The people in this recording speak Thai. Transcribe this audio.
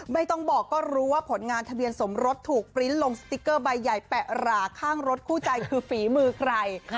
ไม่ต้องบอกก็รู้ว่าผลงานทะเบียนสมรสถูกปริ้นต์ลงสติ๊กเกอร์ใบใหญ่แปะหราข้างรถคู่ใจคือฝีมือใคร